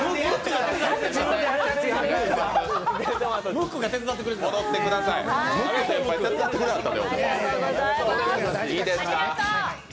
ムックが手伝ってくれてた？